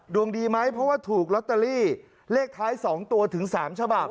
ดวงดีไหมเพราะว่าถูกลอตเตอรี่เลขท้าย๒ตัวถึง๓ฉบับ